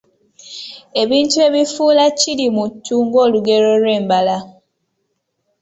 Ebintu ebifuula "Kirimuttu" ng'Olugero olw’embala.